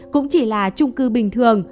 cũng chỉ là trung cư bình thường